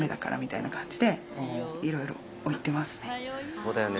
そうだよね